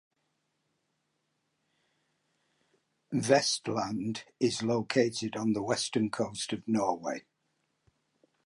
Vestland is located on the western coast of Norway.